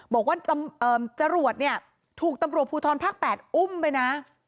บอกว่าจรวดเนี่ยถูกตำรวจภูทรภาค๘อุ้มไปนะ